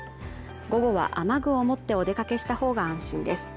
午後は雨具を持ってお出かけしたほうが安心です